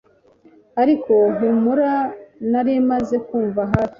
ariko, humura! nari maze kumva hafi: